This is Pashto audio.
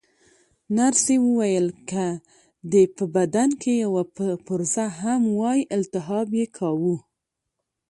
نرسې وویل: که دې په بدن کې یوه پرزه هم وای، التهاب یې کاوه.